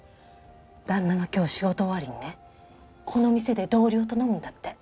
旦那が今日仕事終わりにねこの店で同僚と飲むんだって。